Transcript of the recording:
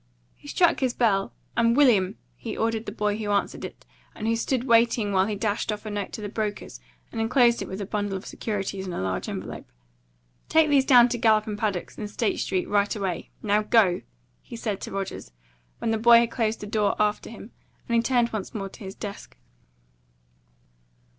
He struck his bell, and "William," he ordered the boy who answered it, and who stood waiting while he dashed off a note to the brokers and enclosed it with the bundle of securities in a large envelope, "take these down to Gallop & Paddock's, in State Street, right away. Now go!" he said to Rogers, when the boy had closed the door after him; and he turned once more to his desk.